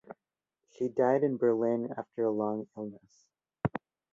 She died in Berlin after a long illness.